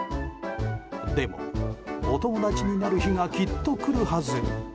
でも、お友達になる日がきっと来るはず。